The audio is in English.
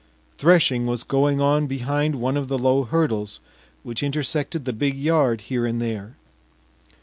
Threshing was going on behind one of the low hurdles which intersected the big yard here and there.